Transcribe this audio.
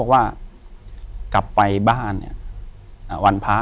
อยู่ที่แม่ศรีวิรัยยิวยลครับ